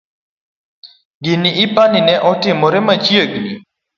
Gini ipani ne otimore machiegni?